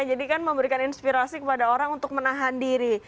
jadi kan memberikan inspirasi kepada orang untuk menahan diri